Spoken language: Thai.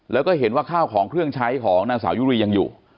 แล้วก็เห็นว่าข้าวของเครื่องใช้ของนางสาวยุรียังอยู่